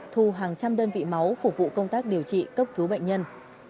thu hàng trăm đơn vị máu phục vụ công tác điều trị cấp cứu bệnh nhân